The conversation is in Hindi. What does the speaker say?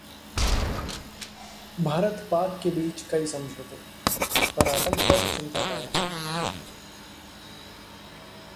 भारत-पाक के बीच कई समझौते, पर आतंक पर चिंता कायम